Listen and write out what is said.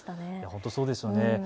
本当そうですよね。